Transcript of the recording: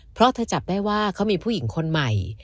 เพราะเธอจับได้ว่าเขามีผู้หญิงคนใหม่